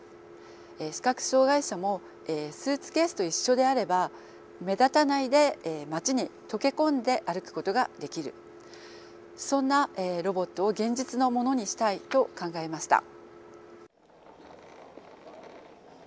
視覚障害者もスーツケースと一緒であれば目立たないで街に溶け込んで歩くことができるそんなロボットを現実のものにしたいと考えました。